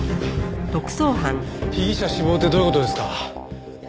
被疑者死亡ってどういう事ですか？